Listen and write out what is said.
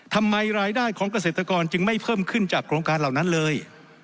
ทำไมรายได้ของเกษตรกรจึงไม่เพิ่มขึ้นจากโครงการเหล่านั้นเลย